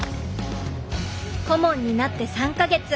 顧問になって３か月。